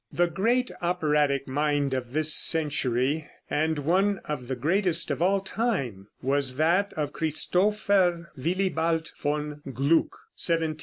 ] The great operatic mind of this century, and one of the greatest of all time, was that of Christopher Willibald von Gluck (1714 1785).